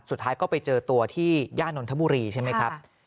สุดท้ายก็ไปเจอตัวที่ย่านนทบุรีใช่ไหมครับ